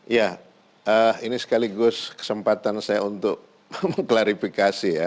ya ini sekaligus kesempatan saya untuk mengklarifikasi ya